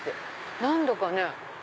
何だかね。